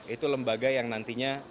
itu lembaga yang nantinya